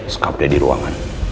skaf deh di ruangan